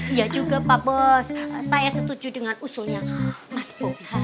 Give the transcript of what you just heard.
iya juga pak bos saya setuju dengan usulnya mas bobi